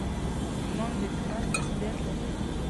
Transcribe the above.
امام د جومات مسؤولیت لري